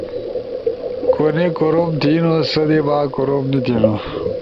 کونے کروم تھینو سدے با کروم نی تُھو۔